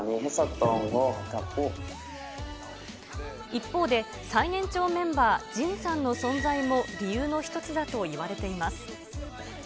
一方で、最年長メンバー、ＪＩＮさんの存在も理由の一つだといわれています。